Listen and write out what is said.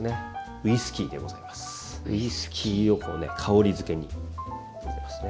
ウイスキーをこうね香りづけに入れますね。